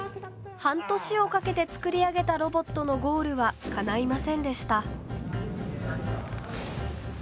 半年をかけて作り上げたロボットのゴールはかないませんでした。